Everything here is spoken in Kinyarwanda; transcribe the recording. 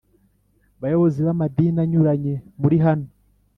bayobozi b’amadini anyuranye muri hano,